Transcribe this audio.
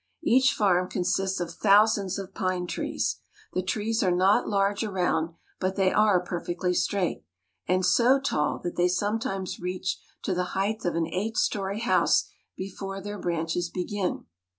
Each farm consists of thousands of pine trees. The trees are not large around, but they are perfectly straight, and so tall that they sometimes reach to the height of an eight story h'./use before their branches begin.